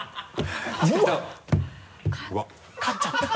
勝っちゃった。